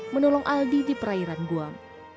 menolong aldi di perairan guam